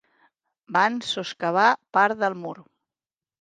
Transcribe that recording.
Van soscavar part del mur.